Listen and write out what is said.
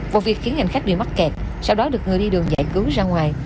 vụ việc khiến hành khách bị mắc kẹt sau đó được người đi đường giải cứu ra ngoài